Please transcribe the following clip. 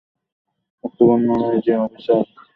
উক্ত বর্ণনায় যে অবিবেচনা প্রসূত অতিকথন রয়েছে তা বলাই বাহুল্য।